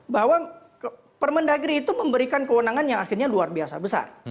bahwa permendagri itu memberikan kewenangan yang akhirnya luar biasa besar